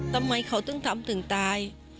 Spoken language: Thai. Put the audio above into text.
ทำไมเขาถึงทำถึงตาย